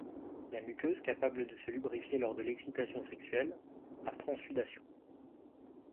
La muqueuse capable de se lubrifier lors de l'excitation sexuelle, par transsudation.